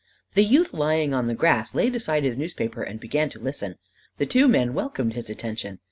The youth lying on the grass laid aside his newspaper and began to listen. The two men welcomed his attention.